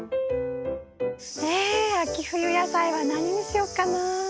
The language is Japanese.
え秋冬野菜は何にしよっかな？